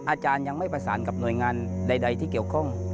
อาจารย์ยังไม่ประสานกับหน่วยงานใดที่เกี่ยวข้อง